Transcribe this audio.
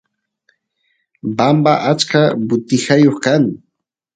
bamba achka butijayoq kan